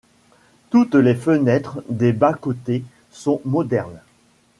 Toutes les fenêtres des bas-côtés sont modernes.